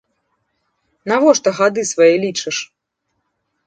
Навошта гады свае лічыш?